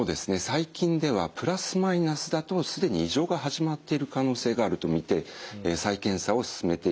最近では±だと既に異常が始まっている可能性があると見て再検査を勧めています。